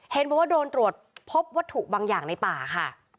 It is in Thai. เห็นบอกว่าโดนตรวจพบวัตถุบางอย่างในป่าค่ะ